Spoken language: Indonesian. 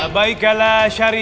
la baik allahumma la baik